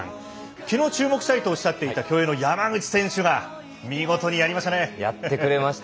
きのう注目したいとおっしゃっていた競泳の山口選手がやってくれました。